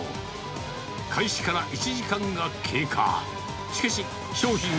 開始から１時間が経過。